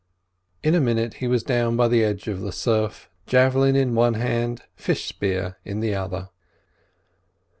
In a minute he was down by the edge of the surf, javelin in one hand, fish spear in the other.